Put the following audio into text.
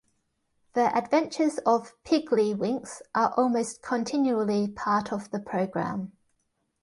The Adventures of Piggley Winks, are almost continually part of the programme.